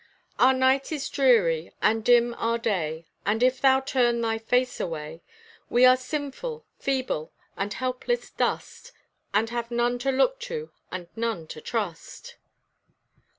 "Our night is dreary, and dim our day, And if thou turn thy face away, We are sinful, feeble, and helpless dust, And have none to look to and none to trust."